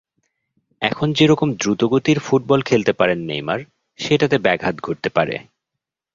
এখন যেরকম দ্রুতগতির ফুটবল খেলতে পারেন নেইমার, সেটাতে ব্যাঘাত ঘটতে পারে।